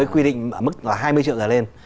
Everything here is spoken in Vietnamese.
với quy định mức là hai mươi triệu trở lên